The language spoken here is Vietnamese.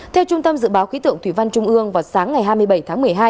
theo trung tâm dự báo khí tượng thủy văn trung ương vào sáng ngày hai mươi bảy tháng một mươi hai